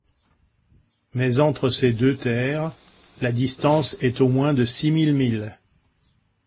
Mais entre ces deux terres, la distance est au moins de six mille milles.